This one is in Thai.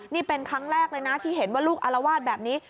นี่เป็นครั้งแรกเลยนะที่เห็นว่าลูกอารวาสแบบนี้